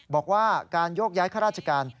บอกว่าการโยกย้ายข้าราชการ